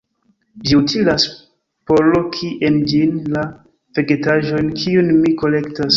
Ĝi utilas por loki en ĝin la vegetaĵojn, kiujn mi kolektas.